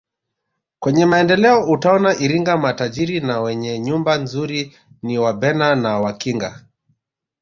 Kwenye Maendeleo utaona Iringa matajiri na wenye nyumba nzuri ni wabena na wakinga